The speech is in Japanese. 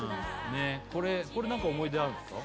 ねっこれこれ何か思い出あるんすか？